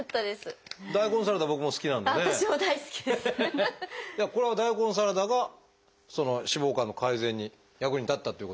これは大根サラダが脂肪肝の改善に役に立ったということでよろしいですか？